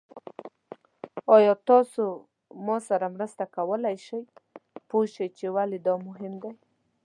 ایا تاسو ما سره مرسته کولی شئ پوه شئ چې ولې دا مهم دی؟